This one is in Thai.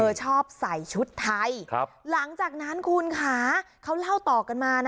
ชอบใส่ชุดไทยหลังจากนั้นคุณค่ะเขาเล่าต่อกันมานะ